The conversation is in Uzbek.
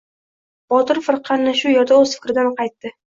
Botir firqa ana shu yerda o‘z fikridan qaytdi.